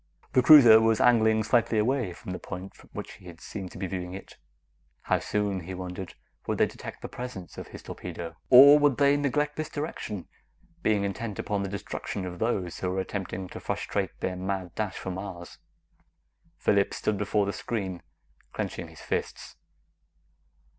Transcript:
The cruiser was angling slightly away from the point from which he seemed to be viewing it. How soon, he wondered, would they detect the presence of his torpedo? Or would they neglect this direction, being intent upon the destruction of those who were attempting to frustrate their mad dash for Mars? Phillips stood before the screen, clenching his fists.